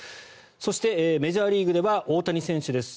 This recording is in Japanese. そしてメジャーリーグでは大谷選手です。